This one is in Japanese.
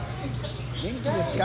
元気ですか？」